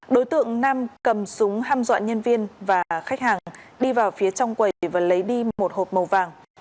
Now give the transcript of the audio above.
đối tượng nam cầm súng ham dọn nhân viên và khách hàng đi vào phía trong quầy và lấy đi một hộp màu vàng